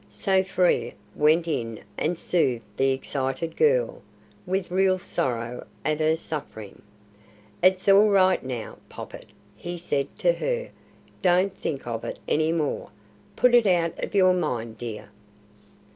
So Frere went in and soothed the excited girl, with real sorrow at her suffering. "It's all right now, Poppet," he said to her. "Don't think of it any more. Put it out of your mind, dear."